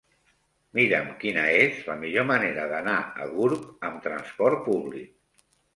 Mira'm quina és la millor manera d'anar a Gurb amb trasport públic.